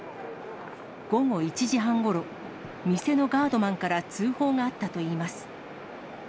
午後１時半ごろ、店のガードマンから通報があったといいます。